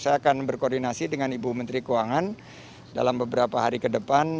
saya akan berkoordinasi dengan ibu menteri keuangan dalam beberapa hari ke depan